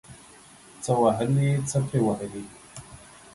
څه وهلي ، څه پري وهلي.